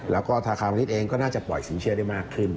แล้วก็ธนาคารมณิชย์เองก็น่าจะปล่อยสินเชื่อได้มากขึ้น